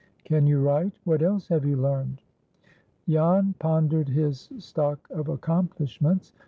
"Can you write? What else have you learned?" Jan pondered his stock of accomplishments.